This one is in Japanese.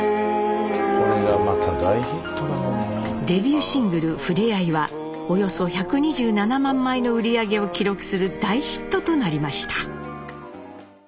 デビューシングル「ふれあい」はおよそ１２７万枚の売り上げを記録する大ヒットとなりました。